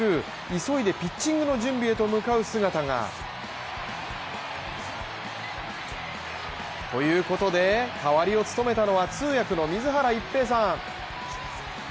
急いでピッチングの準備へと向かう姿が。ということで、代わりを務めたのは通訳の水原一平さん。